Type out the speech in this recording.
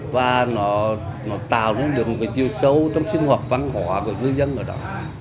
và nó tạo ra được một cái chiêu sâu trong sinh hoạt văn hóa của người dân ở đó